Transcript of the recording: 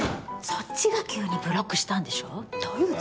そっちが急にブロックしたんでしょ。